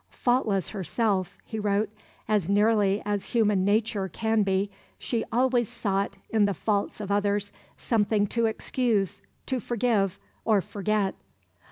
"Faultless herself," he wrote, "as nearly as human nature can be, she always sought, in the faults of others, something to excuse, to forgive, or forget."